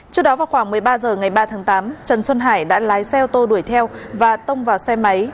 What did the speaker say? trước đó vào khoảng một mươi ba h ngày ba tháng tám trần xuân hải đã lái xe ô tô đuổi theo và tông vào xe máy